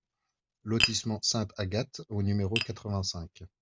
Lotissement Sainte-Agathe au numéro quatre-vingt-cinq